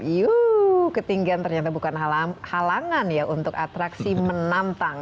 yuh ketinggian ternyata bukan halangan ya untuk atraksi menantang